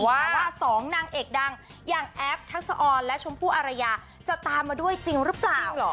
ว่าสองนางเอ็กดังอย่างแอ้บทักษะอรและชมพูอรัยาจะตามมาด้วยจริงรึเปล่า